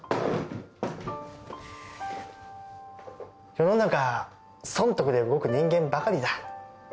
世の中損得で動く人間ばかりだ